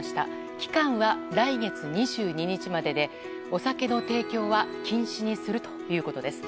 期間は来月２２日まででお酒の提供は禁止にするということです。